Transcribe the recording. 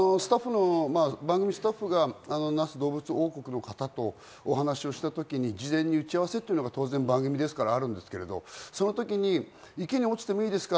番組スタッフが那須どうぶつ王国の方とお話した時に、事前の打ち合わせは当然、番組ですからあるんですが、その時に池に落ちてもいいですか？